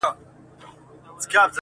رنګ به د پانوس نه وي تیاره به وي-